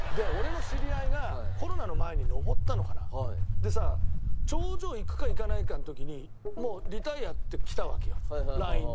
でさ頂上行くか行かないかの時に「もうリタイア」って来たわけよＬＩＮＥで。